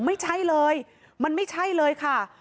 ไม่ใช่เลยมันไม่ใช่เลยค่ะ